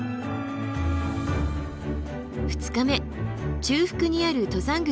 ２日目中腹にある登山口を出発。